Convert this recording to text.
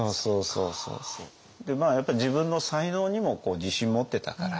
やっぱり自分の才能にも自信持ってたから。